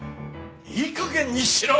いい加減にしろ！